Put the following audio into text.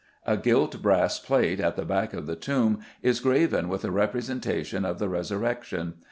A gilt brass plate at the back of the tomb is graven with a representation of the Resurrection.